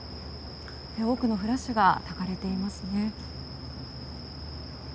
多くのフラッシュがたかれていますね。